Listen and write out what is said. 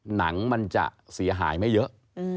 หนังมันจะเสียหายไม่เยอะ